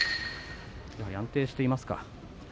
やはり安定していますか。